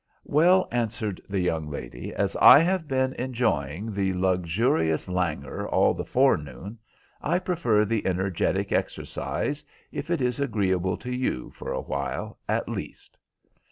"Well," answered the young lady, "as I have been enjoying the luxurious languor all the forenoon, I prefer the energetic exercise, if it is agreeable to you, for a while, at least."